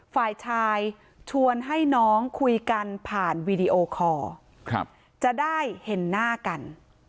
ฝ่ายชายชวนให้น้องคุยกันผ่านวีดีโอคอร์จะได้เห็นหน้ากัน